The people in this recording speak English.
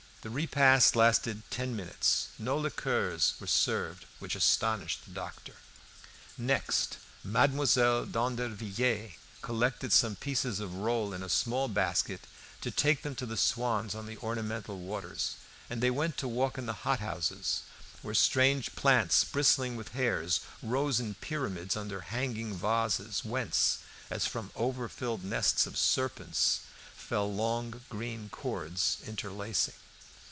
The repast lasted ten minutes; no liqueurs were served, which astonished the doctor. Next, Mademoiselle d'Andervilliers collected some pieces of roll in a small basket to take them to the swans on the ornamental waters, and they went to walk in the hot houses, where strange plants, bristling with hairs, rose in pyramids under hanging vases, whence, as from over filled nests of serpents, fell long green cords interlacing.